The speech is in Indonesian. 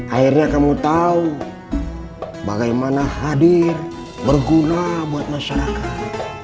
akhirnya kamu tahu bagaimana hadir berguna buat masyarakat